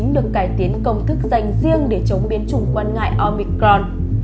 được cải tiến công thức dành riêng để chống biến chủng quan ngại omicron